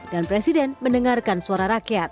dan presiden mendengarkan suara rakyat